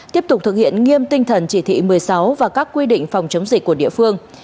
tiếp tục thực hiện nghiêm tinh thần chỉ thị một mươi sáu và các quy định phòng chống dịch của địa phương